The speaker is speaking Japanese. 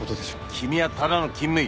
君はただの勤務医。